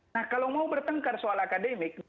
nah kalau mau bertengkar soal akademik